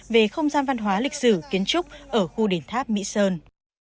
về không gian văn hóa lịch sử kiến trúc ở khu đền tháp mỹ sơn